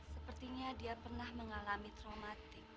sepertinya dia pernah mengalami traumatik